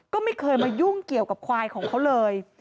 ก็ไม่เคยมายุ่งเกี่ยวกับควายของเขาเลย